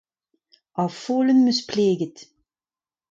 Ar folenn 'm eus pleget.